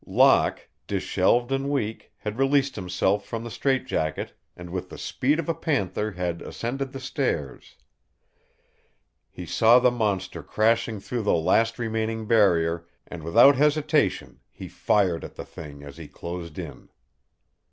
Locke, disheveled and weak, had released himself from the strait jacket, and with the speed of a panther had ascended the stairs. He saw the monster crashing through the last remaining barrier, and without hesitation he fired at the thing as he closed in.